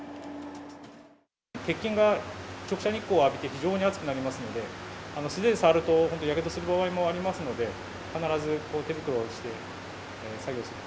鉄筋が直射日光を浴びて非常に熱くなりますので、素手で触るとやけどする場合もありますので、必ず手袋をして作業する。